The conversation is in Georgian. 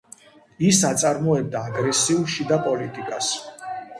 ის აწარმოებდა აგრესიულ შიდა პოლიტიკას.